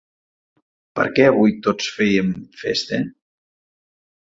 Perquè avui tots feim festa.